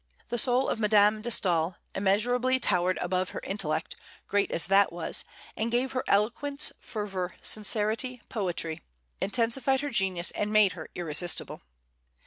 The soul of Madame de Staël immeasurably towered above her intellect, great as that was, and gave her eloquence, fervor, sincerity, poetry, intensified her genius, and made her irresistible.